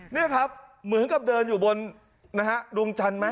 นี่ครับเหมือนกับเดินอยู่บนนะฮะดวงจันทร์ไหม